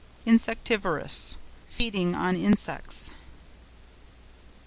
INSECTIVOROUS.—Feeding on insects.